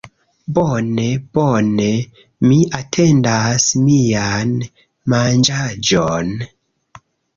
Bone, bone, mi atendas mian... manĝaĵon?